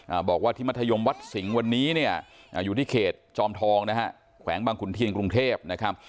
บอกว่าที่มัธยมวัดสิงห์วันนี้เนี่ยอ่าอยู่ที่เขตจอมทองนะฮะแขวงบางขุนเทียนกรุงเทพนะครับ